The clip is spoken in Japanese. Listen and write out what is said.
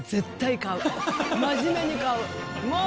真面目に買う。